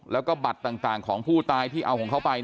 แล้วก็บัตรต่างของผู้ตายที่เอาของเขาไป